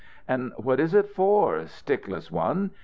"And what is it for, stickless one?